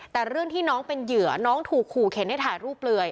แต่เรื่องที่น้องเป็นเหยื่อน้องถูกขู่เข็นให้ถ่ายรูปเปลือย